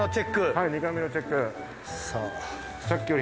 はい２回目のチェック。